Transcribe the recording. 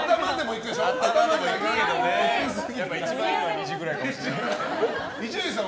やっぱ一番いいのは２時くらいかもしれない。